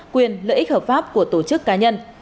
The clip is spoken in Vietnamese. quyền lợi ích hợp pháp của tổ chức cá nhân